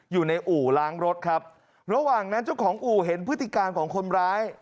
อยู่ในอู่ล้างรถครับระหว่างนั้นเจ้าของอู่เห็นพฤติการของคนร้าย